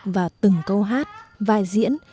vào từng câu hát vai diễn